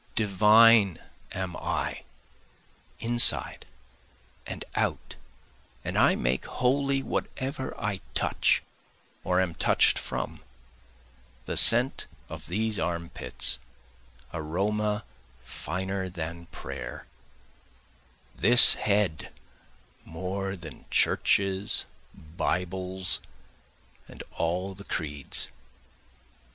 Divine am I inside and out, and I make holy whatever I touch or am touch'd from, The scent of these arm pits aroma finer than prayer, This head more than churches, bibles, and all the creeds.